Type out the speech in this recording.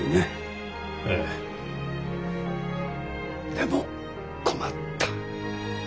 でも困った。